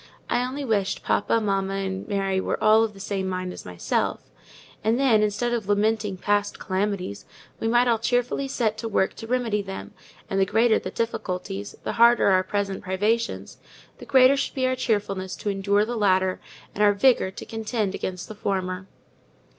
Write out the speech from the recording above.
I only wished papa, mamma, and Mary were all of the same mind as myself; and then, instead of lamenting past calamities we might all cheerfully set to work to remedy them; and the greater the difficulties, the harder our present privations, the greater should be our cheerfulness to endure the latter, and our vigour to contend against the former.